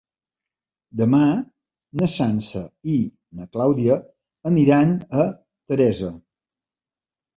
Demà na Sança i na Clàudia aniran a Teresa.